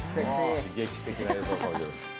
刺激的な映像。